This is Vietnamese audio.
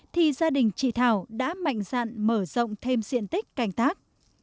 thì gia đình chị thảo đã mạnh dạn mở rộng thêm diện tích canh tác